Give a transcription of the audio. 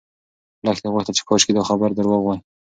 لښتې غوښتل چې کاشکې دا خبر درواغ وای.